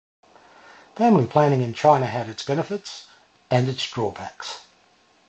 Family planning in China had its benefits, and its drawbacks.